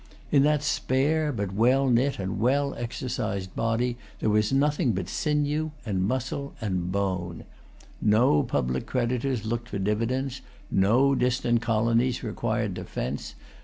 In that spare but well knit and well exercised body there was nothing but sinew, and muscle, and bone. No public creditors looked for dividends. No distant colonies required defence.